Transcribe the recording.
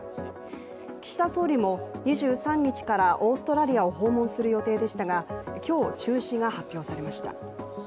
岸田総理も２３日からオーストラリアを訪問する予定でしたが今日中止が発表されました。